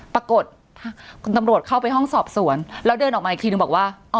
ปรากฏคุณตำรวจเข้าไปห้องสอบสวนแล้วเดินออกมาอีกทีนึงบอกว่า